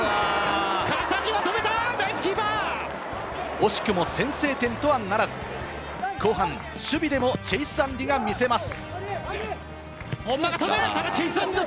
惜しくも先制点とはならず、後半、守備でもチェイス・アンリが見せます。